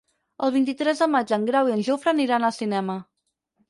El vint-i-tres de maig en Grau i en Jofre aniran al cinema.